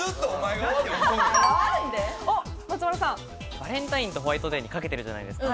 バレンタインとホワイトデーにかけてるじゃないですか。